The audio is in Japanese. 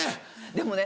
でもね